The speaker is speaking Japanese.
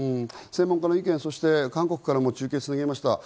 専門家の意見、韓国からも中継をつなぎました。